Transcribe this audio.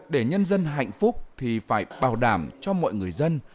để nhân dân hạnh phúc thì phải bảo đảm cho mọi người dân